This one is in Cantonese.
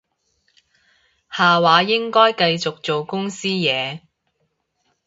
下晝應該繼續做公司嘢